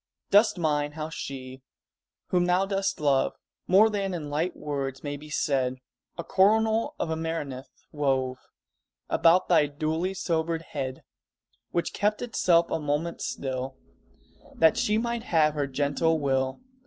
Dost mind how she, whom thou dost love More than in light words may be said, A coronal of amaranth wove About thy duly sobered head, Which kept itself a moment still That she might have her gentle will?